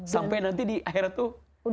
sampai nanti di akhirat tuh